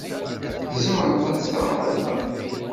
Tzemreḍ ad teɣṛeḍ da.